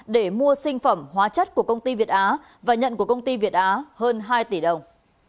để mua sinh phẩm hóa chất của công ty việt á và nhận của công ty việt á hơn hai tỷ đồng